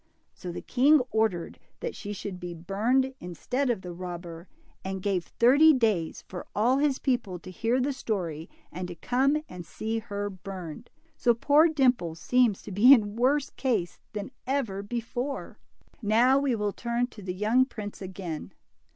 So the king ordered that she should be burned instead of the robber, and gave thirty days for all his people to hear the story and to come and see her burned. So poor Dimple seems to be in a worse case than ever before. DIMPLE, • 60 Now we. will turn to the young prince again.